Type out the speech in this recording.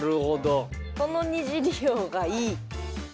この２次利用がいい。